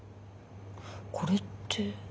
これって。